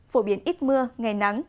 phổ biến ít mưa ngày nắng